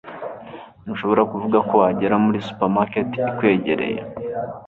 ntushobora kuvuga uko wagera muri supermarket ikwegereye